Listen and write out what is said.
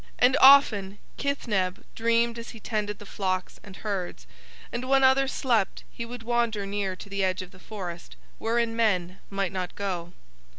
"And often Kithneb dreamed as he tended the flocks and herds, and when others slept he would wander near to the edge of the forest wherein men might not go.